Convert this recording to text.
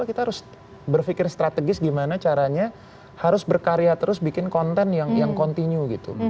kita harus berpikir strategis gimana caranya harus berkarya terus bikin konten yang continue gitu